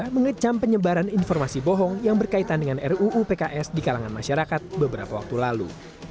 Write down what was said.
mengecam penyebaran informasi bohong yang berkaitan dengan ruu pks di kalangan masyarakat beberapa waktu lalu